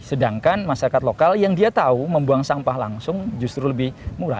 sedangkan masyarakat lokal yang dia tahu membuang sampah langsung justru lebih murah